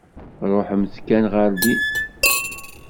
Ṛuḥemt kan ɣer din.